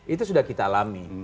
itu sudah kita alami